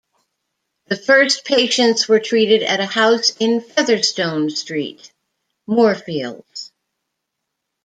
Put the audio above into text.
The first patients were treated at a house in Featherstone Street, Moorfields.